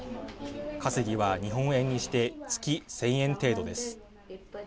稼ぎは日本円にして月１０００円程度です。